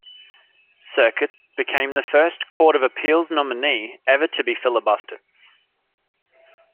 Circuit, became the first court of appeals nominee ever to be filibustered.